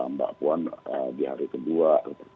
mbak puan di hari kedua